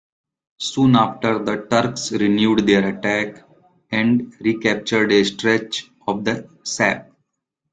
Soon after, the Turks renewed their attack and recaptured a stretch of the sap.